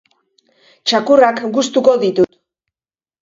Txakurrak gustuko ditut.